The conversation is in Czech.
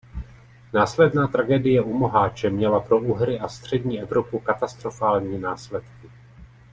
Následná tragédie u Moháče měla pro Uhry a střední Evropu katastrofální následky.